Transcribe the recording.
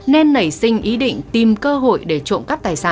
nên nảy sinh ý định tìm cơ hội để trộm cắp tài sản